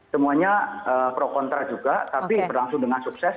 semuanya pro kontra juga tapi berlangsung dengan sukses